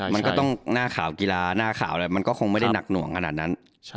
มันก็ต้องหน้าข่าวกีฬามันก็คงไม่ได้หนักหน่วงขนาดนั้น